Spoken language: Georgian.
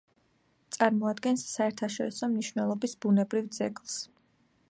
წარმოადგენს საერთაშორისო მნიშვნელობის ბუნებრივ ძეგლს.